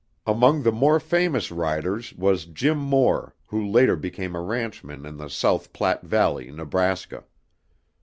Among the more famous riders was Jim Moore who later became a ranchman in the South Platte Valley, Nebraska.